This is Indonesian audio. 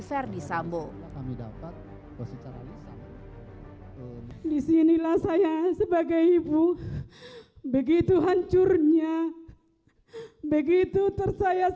ferdis ambo kami dapat posisi disinilah saya sebagai ibu begitu hancurnya begitu tersayang